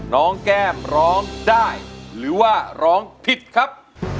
น้องแก้มร้องได้หรือว่าร้องผิดครับ